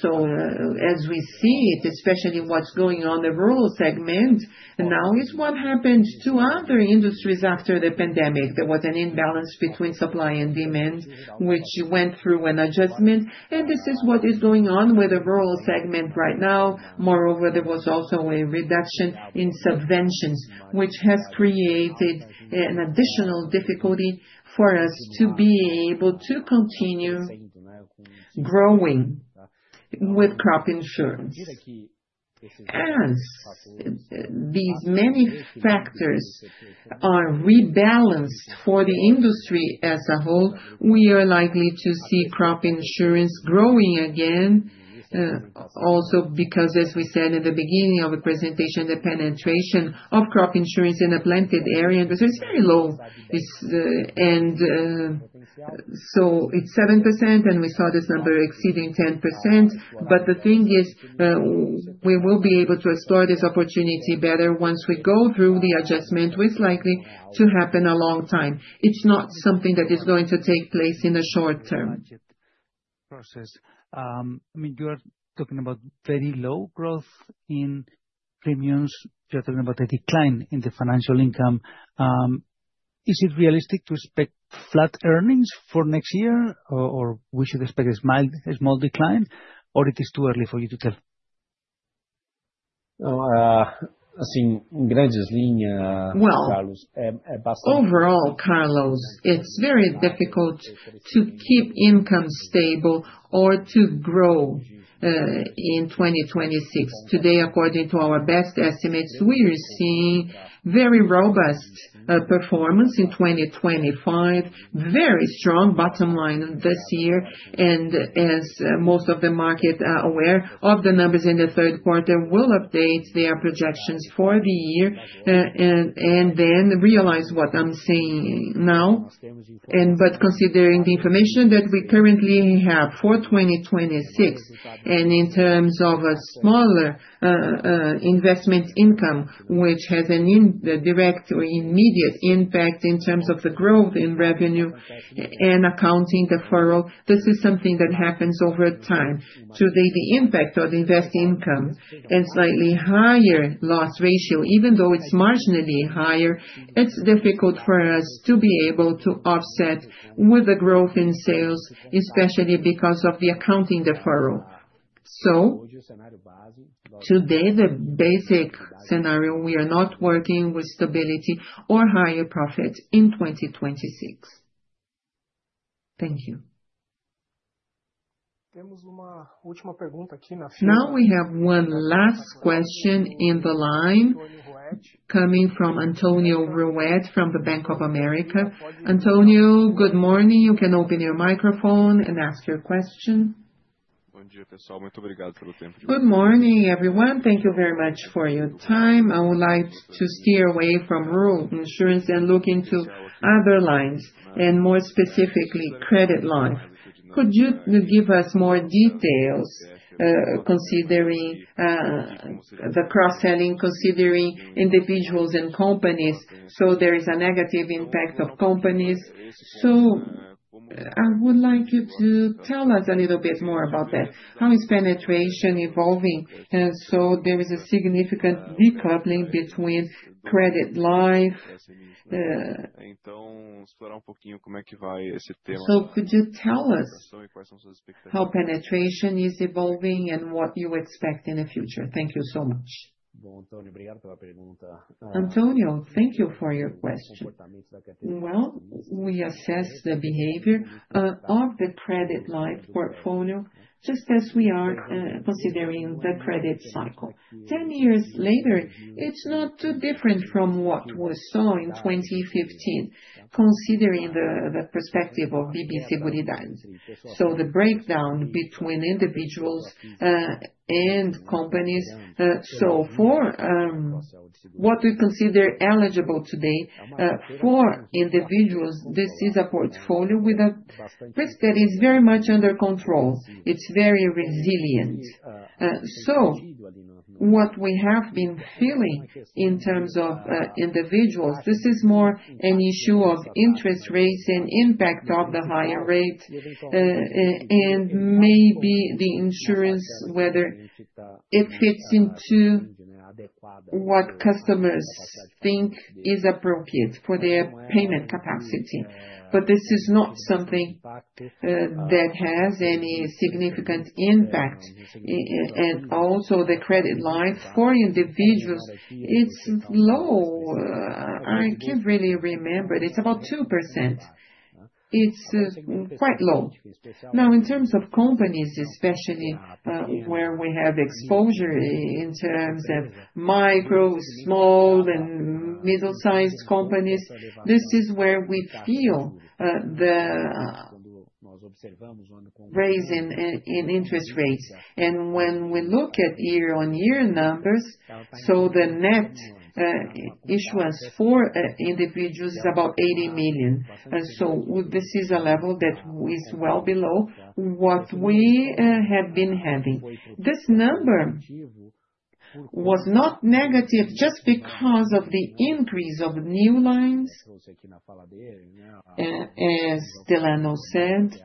Speaker 3: so as we see it, especially what's going on in the rural segment now is what happened to other industries after the pandemic. There was an imbalance between supply and demand, which went through an adjustment, and this is what is going on with the rural segment right now. Moreover, there was also a reduction in subventions, which has created an additional difficulty for us to be able to continue growing with crop insurance. As these many factors are rebalanced for the industry as a whole, we are likely to see crop insurance growing again. Also, because, as we said in the beginning of the presentation, the penetration of crop insurance in the planted area is very low, and so it's 7%, and we saw this number exceeding 10%. But the thing is, we will be able to explore this opportunity better once we go through the adjustment, which is likely to happen a long time. It's not something that is going to take place in the short term.
Speaker 12: I mean, you are talking about very low growth in premiums. You're talking about a decline in the financial income. Is it realistic to expect flat earnings for next year, or we should expect a small decline, or it is too early for you to tell?
Speaker 4: Overall, Carlos, it's very difficult to keep income stable or to grow in 2026. Today, according to our best estimates, we are seeing very robust performance in 2025, very strong bottom line this year, and as most of the market are aware of the numbers in the third quarter, we'll update their projections for the year and then realize what I'm saying now, but considering the information that we currently have for 2026, and in terms of a smaller investment income, which has a direct or immediate impact in terms of the growth in revenue and accounting deferral, this is something that happens over time. Today, the impact on investing income and slightly higher loss ratio, even though it's marginally higher, it's difficult for us to be able to offset with the growth in sales, especially because of the accounting deferral. So today, the basic scenario, we are not working with stability or higher profits in 2026. Thank you.
Speaker 1: Now we have one last question in the line coming from Antonio Ruette from Bank of America. Antonio, good morning. You can open your microphone and ask your question.
Speaker 3: Good morning, everyone. Thank you very much for your time. I would like to steer away from rural insurance and look into other lines, and more specifically, credit life. Could you give us more details considering the cross-selling, considering individuals and companies? So there is a negative impact of companies. I would like you to tell us a little bit more about that, how is penetration evolving. And so there is a significant decoupling between credit life. So could you tell us how penetration is evolving and what you expect in the future? Thank you so much. Antonio, thank you for your question. We assess the behavior of the credit life portfolio just as we are considering the credit cycle. Ten years later, it's not too different from what we saw in 2015, considering the perspective of BB Seguridade. So the breakdown between individuals and companies. So for what we consider eligible today for individuals, this is a portfolio with a risk that is very much under control. It's very resilient. What we have been feeling in terms of individuals, this is more an issue of interest rates and impact of the higher rate, and maybe the insurance, whether it fits into what customers think is appropriate for their payment capacity. But this is not something that has any significant impact. And also the credit life for individuals, it's low. I can't really remember. It's about 2%. It's quite low. Now, in terms of companies, especially where we have exposure in terms of micro, small, and medium-sized companies, this is where we feel the raising in interest rates. And when we look at year-on-year numbers, so the net issuance for individuals is about 80 million. So this is a level that is well below what we had been having. This number was not negative just because of the increase of new lines, as Delano said.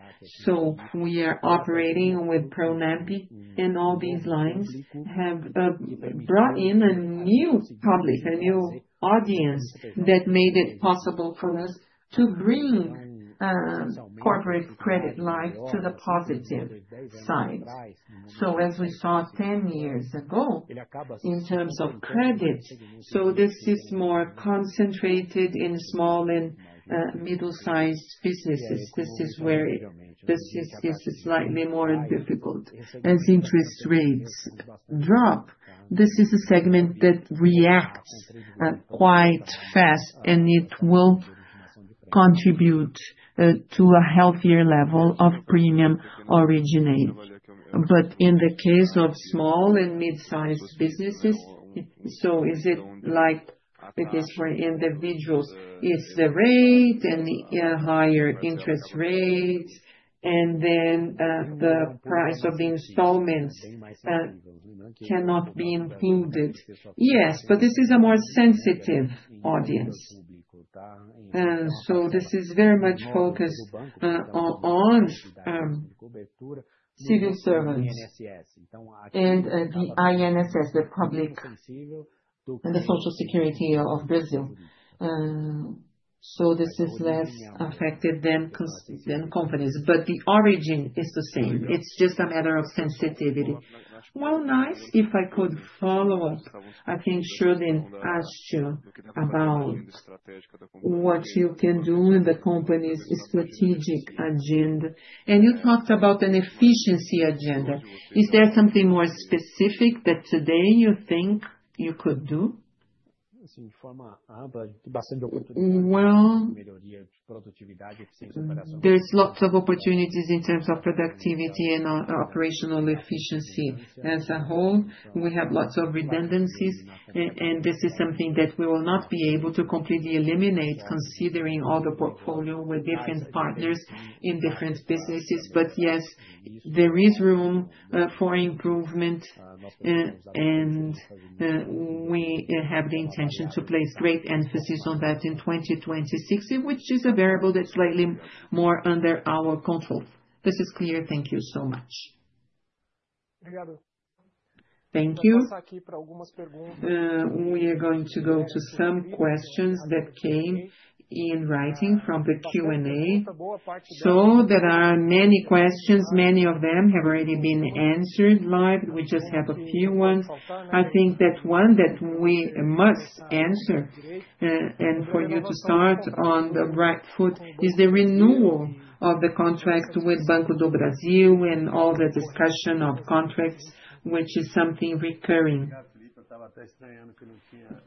Speaker 3: So we are operating with Pronampe, and all these lines have brought in a new public, a new audience that made it possible for us to bring corporate credit life to the positive side. So as we saw ten years ago in terms of credit, so this is more concentrated in small and medium-sized businesses. This is where it is slightly more difficult. As interest rates drop, this is a segment that reacts quite fast, and it will contribute to a healthier level of premium origination. But in the case of small and mid-sized businesses, so is it like it is for individuals? It's the rate and the higher interest rates, and then the price of the installments cannot be included. Yes, but this is a more sensitive audience. So this is very much focused on civil servants and the INSS, the public and the Social Security of Brazil. So this is less affected than companies, but the origin is the same. It's just a matter of sensitivity. Well, nice. If I could follow up, I think Schroden asked you about what you can do in the company's strategic agenda. And you talked about an efficiency agenda. Is there something more specific that today you think you could do? Well, there's lots of opportunities in terms of productivity and operational efficiency as a whole. We have lots of redundancies, and this is something that we will not be able to completely eliminate considering all the portfolio with different partners in different businesses. But yes, there is room for improvement, and we have the intention to place great emphasis on that in 2026, which is a variable that's slightly more under our control. This is clear. Thank you so much. Thank you. We are going to go to some questions that came in writing from the Q&A. So there are many questions. Many of them have already been answered live. We just have a few ones. I think that one that we must answer and for you to start on the right foot is the renewal of the contract with Banco do Brasil and all the discussion of contracts, which is something recurring.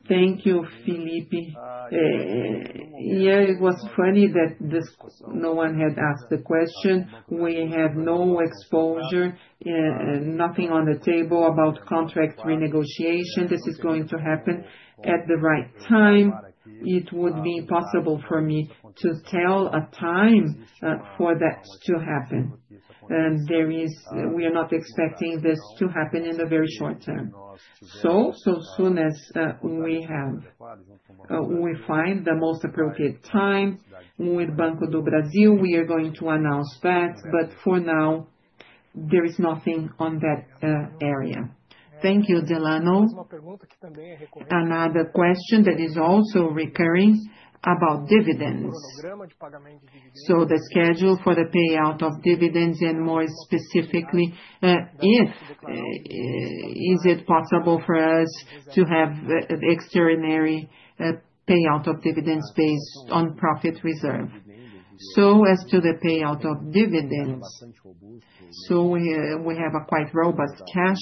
Speaker 3: Thank you, Felipe. Yeah, it was funny that no one had asked the question. We have no exposure, nothing on the table about contract renegotiation. This is going to happen at the right time. It would be impossible for me to tell a time for that to happen. We are not expecting this to happen in the very short term. So as soon as we find the most appropriate time with Banco do Brasil, we are going to announce that. But for now, there is nothing on that area. Thank you, Delano. Another question that is also recurring about dividends. So the schedule for the payout of dividends and more specifically, is it possible for us to have an extraordinary payout of dividends based on profit reserve? So as to the payout of dividends, so we have a quite robust cash,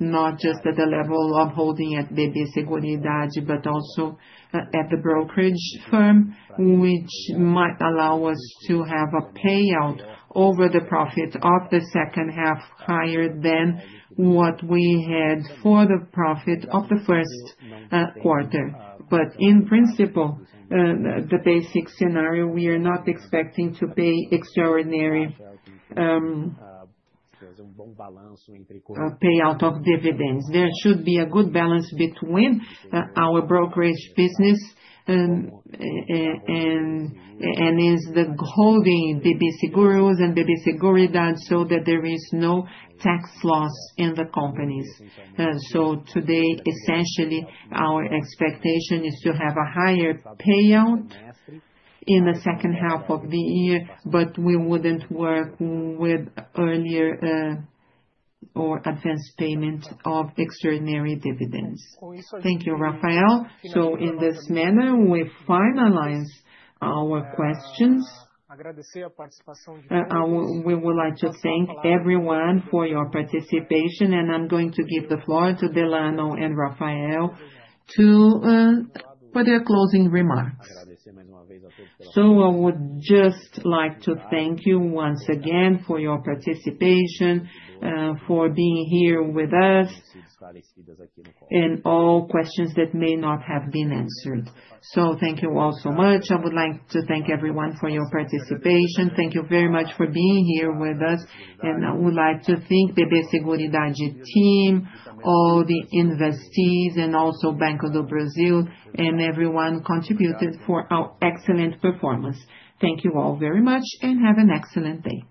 Speaker 3: not just at the level of holding at BB Seguridade, but also at the brokerage firm, which might allow us to have a payout over the profit of the second half higher than what we had for the profit of the first quarter. But in principle, the basic scenario, we are not expecting to pay extraordinary payout of dividends. There should be a good balance between our brokerage business and the holding BB Seguridade so that there is no tax loss in the companies. So today, essentially, our expectation is to have a higher payout in the second half of the year, but we wouldn't work with earlier or advance payment of extraordinary dividends.
Speaker 1: Thank you, Rafael. So in this manner, we finalize our questions. We would like to thank everyone for your participation, and I'm going to give the floor to Delano and Rafael for their closing remarks.
Speaker 4: So I would just like to thank you once again for your participation, for being here with us, and all questions that may not have been answered. So thank you all so much. I would like to thank everyone for your participation. Thank you very much for being here with us. I would like to thank BB Seguridade team, all the investees, and also Banco do Brasil and everyone who contributed for our excellent performance. Thank you all very much, and have an excellent day.